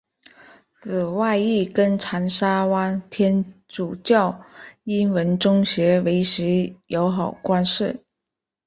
此外亦跟长沙湾天主教英文中学维持友好关系。